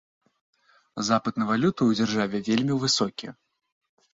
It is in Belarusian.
Запыт на валюту ў дзяржаве вельмі высокі.